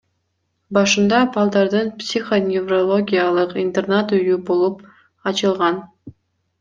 Башында балдардын психоневрологиялык интернат үйү болуп ачылган.